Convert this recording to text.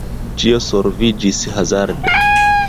Ĉio solviĝis hazarde.